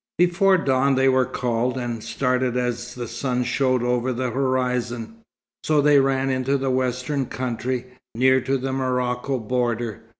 Before dawn they were called, and started as the sun showed over the horizon. So they ran into the western country, near to the Morocco border.